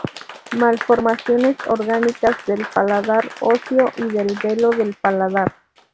Malformaciones orgánicas del paladar óseo y del velo del paladar.